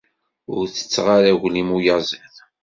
Ur tetteɣ ara aglim uyaziḍ.